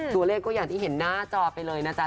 ตัวเลขก็อย่างที่เห็นหน้าจอไปเลยนะจ๊